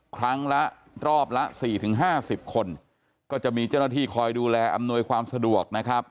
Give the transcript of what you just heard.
ครั้งละรอบละ๔๕๐คนก็จะมีเจ้าหน้าที่คอยดูแลอำนวยความสะดวกนะครับ